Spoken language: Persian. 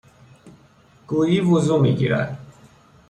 گویی وضو میگیرد